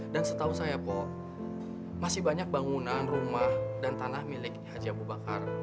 dan setahu saya po masih banyak bangunan rumah dan tanah milik haji abu bakar